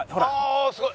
あすごい。